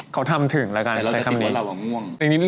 เขาทำถึงแล้วกันใช้คำนี้แต่เราจะติดว่าเราก็ง่วง